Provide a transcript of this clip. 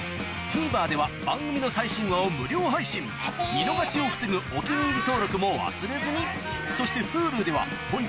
ＴＶｅｒでは番組の最新話を無料配信見逃しを防ぐ「お気に入り」登録も忘れずにそしてＨｕｌｕでは本日の放送も過去の放送も配信中